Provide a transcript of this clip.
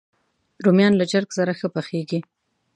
رومیان له چرګ سره ښه پخېږي